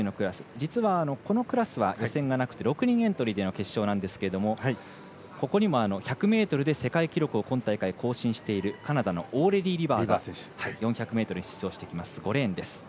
実は、このクラスは予選がなくて６人エントリーでの決勝なんですけれどもここにも１００ｍで世界記録を今大会更新しているカナダのオーレリー・リバー選手が４００ｍに出場してきます。